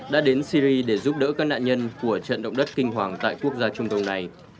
đã đến syri để giúp đỡ các nạn nhân của trận động đất kinh hoàng tại quốc gia trung đông này